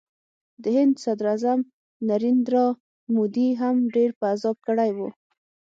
د هند صدراعظم نریندرا مودي هم ډېر په عذاب کړی و